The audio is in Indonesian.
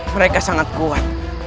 mereka sangat kuat